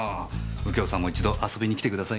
右京さんも一度遊びに来てくださいね。